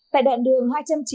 tại đoạn đường hai trăm ba mươi ba